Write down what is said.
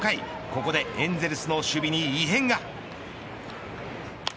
ここでエンゼルスの守備に異変が。